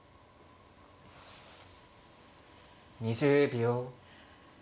２０秒。